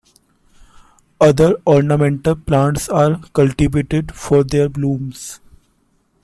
Other ornamental plants are cultivated for their blooms.